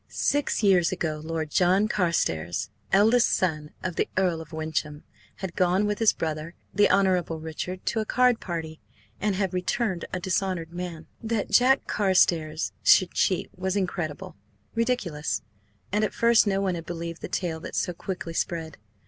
Six years ago Lord John Carstares, eldest son of the Earl of Wyncham, had gone with his brother, the Hon. Richard, to a card party, and had returned a dishonoured man. That Jack Carstares should cheat was incredible, ridiculous, and at first no one had believed the tale that so quickly spread.